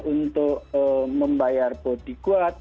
untuk membayar bodyguard